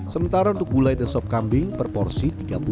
sementara untuk gulai dan sop kambing per porsi tiga puluh